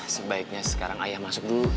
sebaiknya sekarang ayah masuk dulu